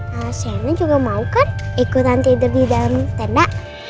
nah cnn juga mau kan ikutan tidur di dalam tenda